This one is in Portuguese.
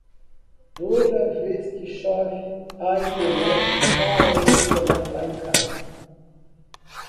Toda vez que chove a Internet para de funcionar lá em casa.